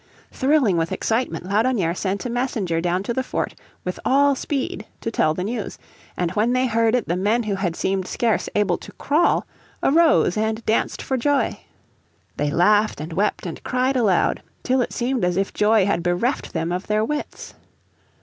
Thrilling with excitement Laudonnière sent a messenger down to the fort with all speed to tell the news, and when they heard it the men who had seemed scarce able to crawl arose and danced for joy. They laughed, and wept, and cried aloud, till it seemed as if joy had bereft them of their wits.